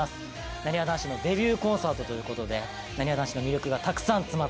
なにわ男子のデビューコンサートということでなにわ男子の魅力がたくさん詰まった。